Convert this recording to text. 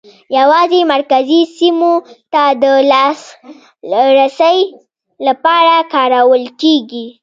یوازې مرکزي سیمو ته د لاسرسي لپاره کارول کېږي.